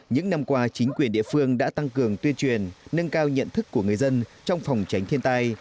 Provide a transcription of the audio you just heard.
những năm qua chính quyền địa phương đã tăng cường tuyên truyền nâng cao nhận thức của người dân trong phòng tránh thiên tai